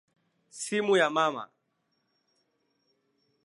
Simu ya mama.